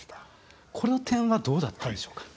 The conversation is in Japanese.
この点はどうだったんでしょうか。